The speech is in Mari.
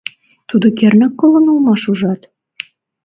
Тудо кернак колын улмаш, ужат?